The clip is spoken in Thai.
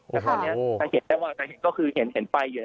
แต่ตอนนี้ถ้าเห็นได้ว่าจะเห็นก็คือเห็นไฟอยู่